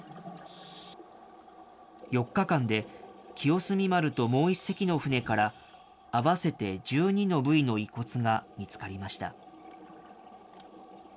４日間で清澄丸ともう１隻の船から、合わせて１２の部位の遺骨が見つかりました。